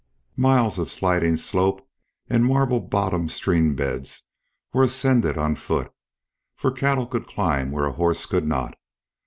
Miles of sliding slope and marble bottomed streambeds were ascended on foot, for cattle could climb where a horse could not.